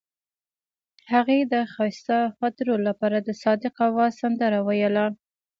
هغې د ښایسته خاطرو لپاره د صادق اواز سندره ویله.